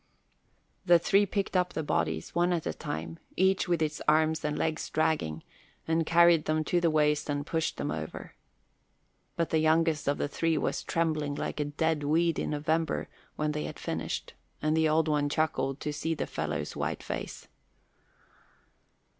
The three picked up the bodies, one at a time, each with its arms and legs dragging, and carried them to the waist and pushed them over. But the youngest of the three was trembling like a dead weed in November when they had finished, and the Old One chuckled to see the fellow's white face.